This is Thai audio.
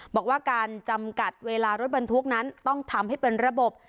บอกว่าการจำกัดเวลารถบรรทุกนั้นต้องทำให้เป็นระบบ